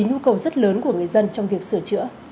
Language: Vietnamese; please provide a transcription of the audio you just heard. nhu cầu rất lớn của người dân trong việc sửa chữa